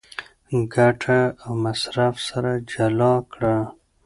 ګټه او مصرف سره جلا کړه.